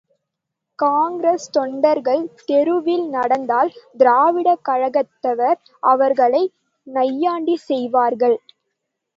காங்கிரஸ் தொண்டர்கள் தெருவில் நடந்தால் திராவிடக் கழகத்தவர் அவர்களை நையாண்டி செய்வார்கள்.